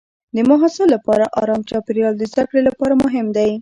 د محصل لپاره ارام چاپېریال د زده کړې لپاره مهم دی.